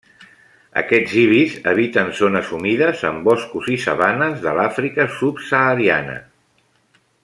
Aquests ibis habiten zones humides en boscos i sabanes, de l'Àfrica subsahariana.